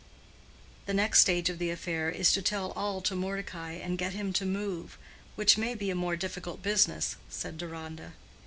"The next stage of the affair is to tell all to Mordecai, and get him to move—which may be a more difficult business," said Deronda.